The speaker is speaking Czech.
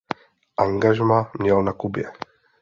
Angažmá měl na Kubě.